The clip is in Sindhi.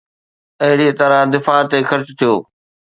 اهڙيءَ طرح دفاع تي خرچ ٿيو